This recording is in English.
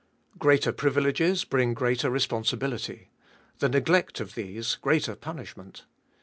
Greater privileges bring greater responsibility ; the neglect of these, greater punish ment.